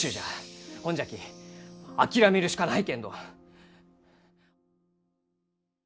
ほんじゃき諦めるしかないけんど。